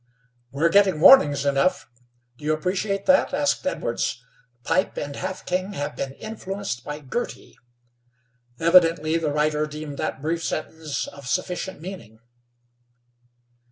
"We're getting warnings enough. Do you appreciate that?" asked Edwards. "'Pipe and Half King have been influenced by Girty.' Evidently the writer deemed that brief sentence of sufficient meaning."